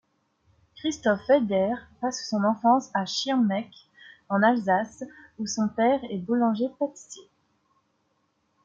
Christophe Felder passe son enfance à Schirmeck en Alsace, où son père est boulanger-pâtissier.